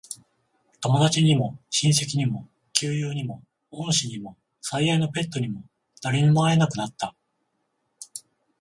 友達にも、親戚にも、旧友にも、恩師にも、最愛のペットにも、誰にも会えなくなった。